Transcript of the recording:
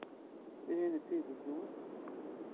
Tihin d taydit-nwent?